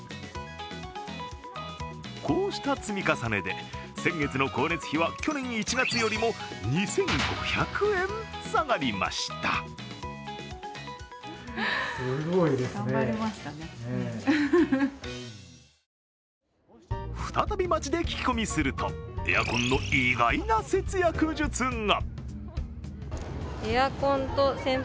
こうした積み重ねで、先月の光熱費は去年１月よりも２５００円下がりました再び街で聞き込みすると、エアコンの意外な節約術が。